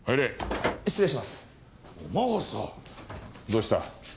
どうした？